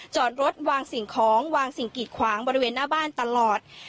จอดรถวางสิ่งของวางสิ่งกีดขวางบริเวณหน้าบ้านตลอด